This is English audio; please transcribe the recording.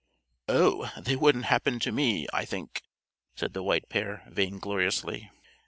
"Oh, they wouldn't happen to me, I think," said the White Pair vaingloriously.